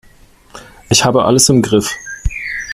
Ich habe alles im Griff.